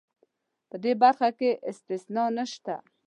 په دې برخه کې استثنا نشته.